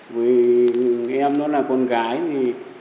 vì em nó là con gái thì